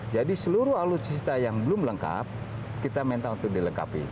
jadi seluruh alutsista yang belum lengkap kita minta untuk dilengkapi